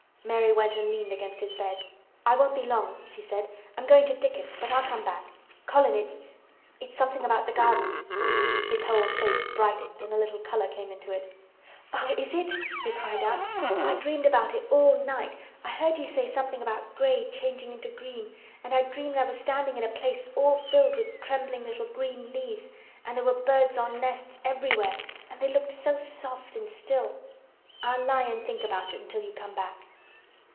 Mary went and leaned against his bed. "I won't be long," she said. "I'm going to Dickon, but I'll come back. Colin, it's—it's something about the garden." His whole face brightened and a little color came into it. "Oh! is it?" he cried out. "I dreamed about it all night. I heard you say something about gray changing into green, and I dreamed I was standing in a place all filled with trembling little green leaves—and there were birds on nests everywhere and they looked so soft and still. I'll lie and think about it until you come back."